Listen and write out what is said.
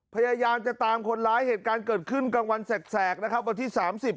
พยายามจะตามคนร้ายเหตุการณ์เกิดขึ้นกลางวันแสกนะครับวันที่สามสิบ